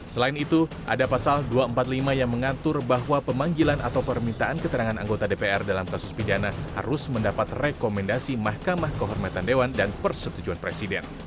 selain itu ada pasal dua ratus empat puluh lima yang mengatur bahwa pemanggilan atau permintaan keterangan anggota dpr dalam kasus pidana harus mendapat rekomendasi mahkamah kehormatan dewan dan persetujuan presiden